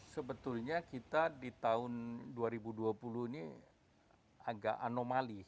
sebetulnya kita di tahun dua ribu dua puluh ini agak anomali